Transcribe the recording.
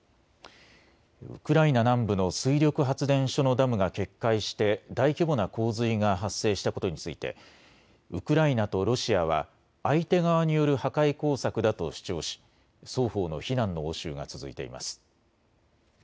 ウクライナ南部の水力発電所のダムが決壊して大規模な洪水が発生したことについてウクライナとロシアは相手側による破壊工作だと主張し双方の非難の応酬が続いています。